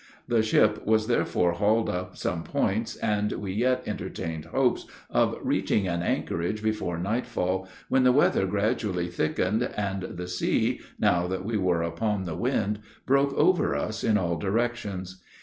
The ship was therefore hauled up some points, and we yet entertained hopes of reaching an anchorage before nightfall, when the weather gradually thickened, and the sea, now that we were upon the wind, broke over us in all directions.